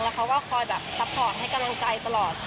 เขาก็คอยแบบซัพพอร์ตให้กำลังใจตลอด